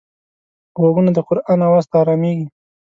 غوږونه د قرآن آواز ته ارامېږي